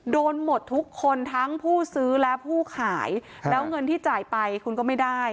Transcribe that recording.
โดนหมดทุกคนทั้งผู้ซื้อและผู้ขายแล้วเงินที่จ่ายไปคุณก็ไม่ได้